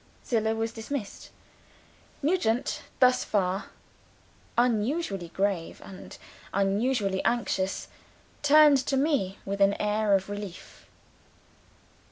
Zillah was dismissed. Nugent thus far, unusually grave, and unusually anxious turned to me with an air of relief.